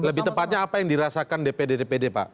lebih tepatnya apa yang dirasakan dpd dpd pak